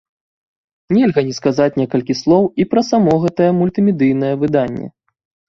Нельга не сказаць некалькі слоў і пра само гэтае мультымедыйнае выданне.